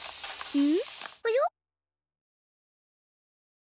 うん？